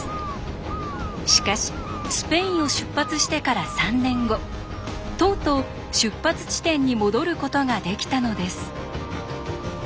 しかしスペインを出発してから３年後とうとう出発地点に戻ることができたのです。